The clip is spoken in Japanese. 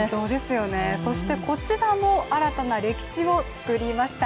そしてこちらも新たな歴史を作りました。